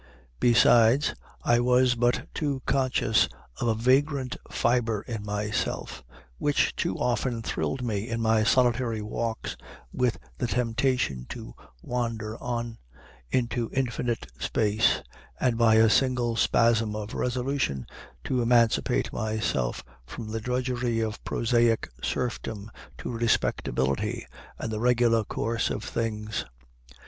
Besides, I was but too conscious of a vagrant fiber in myself, which too often thrilled me in my solitary walks with the temptation to wander on into infinite space, and by a single spasm of resolution to emancipate myself from the drudgery of prosaic serfdom to respectability and the regular course of things.